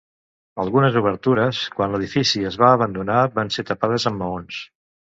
Algunes obertures, quan l'edifici es va abandonar, van ser tapades amb maons.